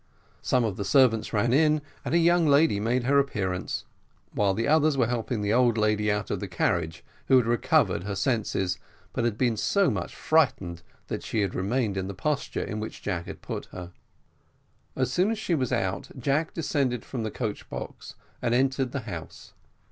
Some of the servants ran in, and a young lady made her appearance, while the others were helping the old lady out of the carriage, who had recovered her senses, but had been so much frightened that she had remained in the posture in which Jack had put her. As soon as she was out, Jack descended from the coach box and entered the house.